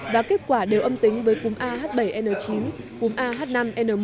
và kết quả đều âm tính với cúm ah bảy n chín cúm ah năm n một